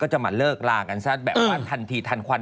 จะมาเลิกลากันซะแบบว่าทันทีทันควัน